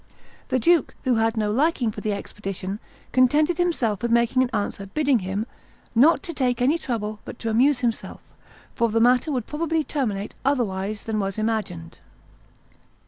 The duke, who had no liking for the expedition, contented himself with making an answer bidding him "not to take any trouble, but to amuse himself, for the matter would probably terminate otherwise than was imagined."